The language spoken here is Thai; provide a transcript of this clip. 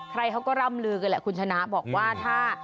ใครเขาก็ร่ำลือกันแหละคุณชนะบอกว่าถ้า